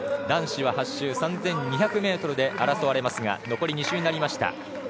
男子は８周３２００ｍで争われますが残り２周になりました。